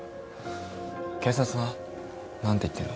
警察は何て言ってんの？